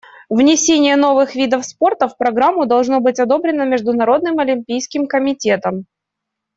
Внесение новых видов спорта в программу должно быть одобрено Международным олимпийским комитетом.